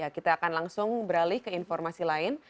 kita akan langsung beralih ke informasi lain